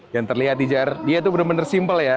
yang terlihat di jar dia itu bener bener simple ya